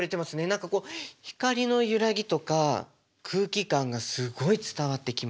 何かこう光の揺らぎとか空気感がすごい伝わってきます。